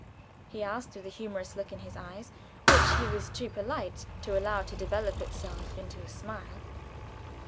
he asked, with a humorous look in his eyes, which he was too polite to allow to develop itself into a smile.